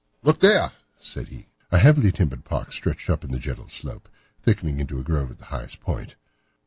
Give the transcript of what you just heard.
"Look there!" said he. A heavily timbered park stretched up in a gentle slope, thickening into a grove at the highest point.